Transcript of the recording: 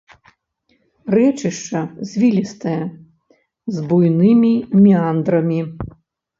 Рэчышча звілістае, з буйнымі меандрамі.